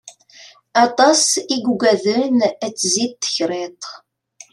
Aṭas i yugaden ad tzid tekriṭ.